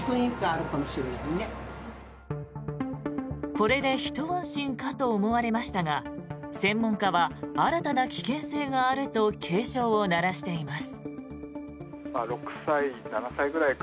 これでひと安心かと思われましたが専門家は新たな危険性があると警鐘を鳴らしています。